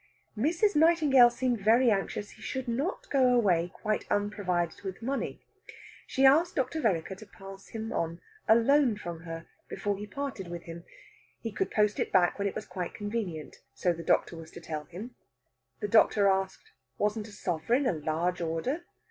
Mrs. Nightingale seemed very anxious he should not go away quite unprovided with money. She asked Dr. Vereker to pass him on a loan from her before he parted with him. He could post it back when it was quite convenient, so the doctor was to tell him. The doctor asked, Wasn't a sovereign a large order?